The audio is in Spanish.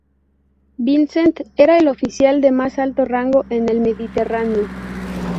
Vincent era el oficial de más alto rango en el Mediterráneo.